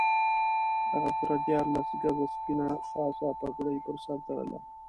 هغه پوره دیارلس ګزه سپینه خاصه پګړۍ پر سر تړله.